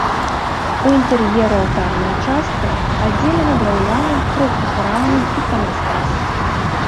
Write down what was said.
У інтэр'еры алтарная частка аддзелена драўляным трохгранным іканастасам.